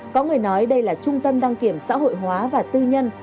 có người nói đây là trung tâm đăng kiểm xã hội hóa và tư nhân